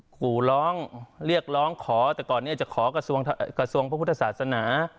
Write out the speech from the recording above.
ขู่ร้องเรียกร้องขอแต่ก่อนนี้จะขอกระทรวงพระพุทธศาสนา